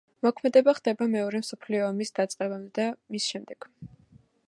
მოქმედება ხდება მეორე მსოფლიო ომის დაწყებამდე და მის შემდეგ.